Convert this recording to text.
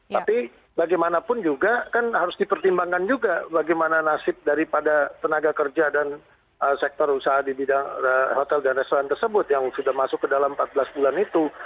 tapi bagaimanapun juga kan harus dipertimbangkan juga bagaimana nasib daripada tenaga kerja dan sektor usaha di bidang hotel dan restoran tersebut yang sudah masuk ke dalam empat belas bulan itu